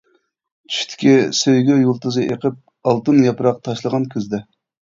چۈشتى سۆيگۈ يۇلتۇزى ئېقىپ. ئالتۇن ياپراق تاشلىغان كۈزدە.